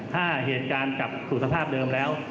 ถ้าเหตุการณ์กลับสู่สภาพเดิมแล้ว